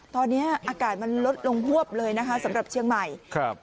ตอนนี้อากาศมันลดลงฮวบเลยนะคะสำหรับเชียงใหม่ครับ